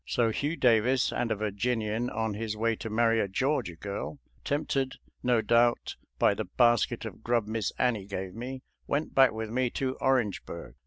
So Hugh Davis and a Virginian on his way to marry a Georgia girl, tempted no doubt by the basket of grub Miss Annie gave me, went back with me to Orangeburg.